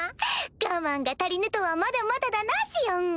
我慢が足りぬとはまだまだだなシオン！